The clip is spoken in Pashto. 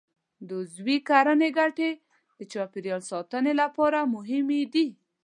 د عضوي کرنې ګټې د چاپېریال ساتنې لپاره مهمې دي.